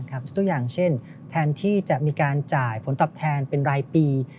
ทุกอย่างเช่นแทนที่จะมีการจ่ายผลตอบแทนเป็นรายปี